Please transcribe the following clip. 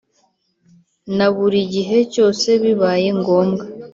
Na buri gihe cyose bibaye ngombwa